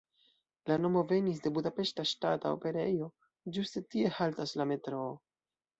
La nomo venis de Budapeŝta Ŝtata Operejo, ĝuste tie haltas la metroo.